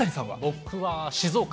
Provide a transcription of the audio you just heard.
僕は静岡。